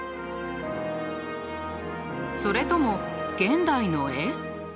それとも現代の絵？